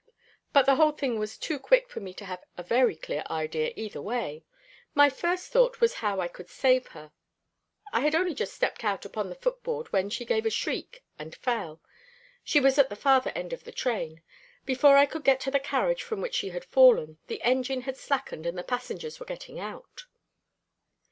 But the whole thing was too quick for me to have a very clear idea either way. My first thought was how I could save her. I had only just stepped out upon the footboard when she gave a shriek and fell. She was at the farther end of the train. Before I could get to the carriage from which she had fallen, the engine had slackened and the passengers were getting out."